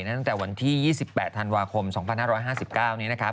ตั้งแต่วันที่๒๘ธันวาคม๒๕๕๙นี้นะครับ